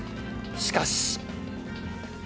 しかし。